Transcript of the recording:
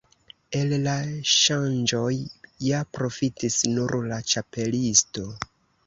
El la ŝanĝoj ja profitis nur la Ĉapelisto.